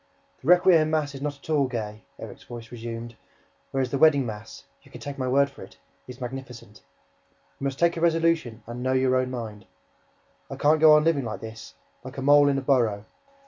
"The requiem mass is not at all gay," Erik's voice resumed, "whereas the wedding mass you can take my word for it is magnificent! You must take a resolution and know your own mind! I can't go on living like this, like a mole in a burrow!